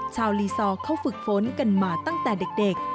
ชาวลีซอร์เขาฝึกฝนกันมาตั้งแต่เด็ก